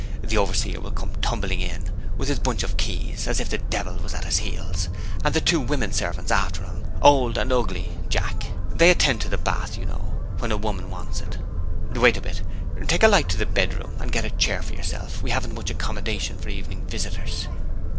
The overseer will come tumbling in, with his bunch of keys, as if the devil was at his heels, and the two women servants after him old and ugly, Jack! they attend to the bath, you know, when a woman wants it. Wait a bit! Take the light into the bedroom, and get a chair for yourself we haven't much accommodation for evening visitors.